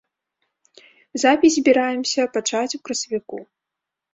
Запіс збіраемся пачаць у красавіку.